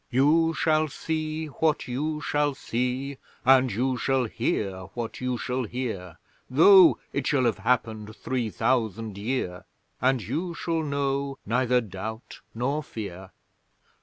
You shall see What you shall see and you shall hear What you shall hear, though It shall have happened three thousand year; and you shall know neither Doubt nor Fear.